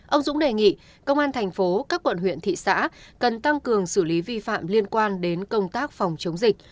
ông dũng đề nghị công an thành phố các quận huyện thị xã cần tăng cường xử lý vi phạm liên quan đến công tác phòng chống dịch